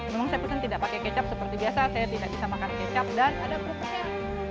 memang saya pesan tidak pakai kecap seperti biasa saya tidak bisa makan kecap dan ada protes